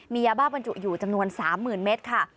มียาบ้าบรรจุอยู่จำนวน๓๐๐๐เมตรค่ะ